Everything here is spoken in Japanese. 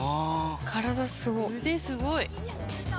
腕すごい！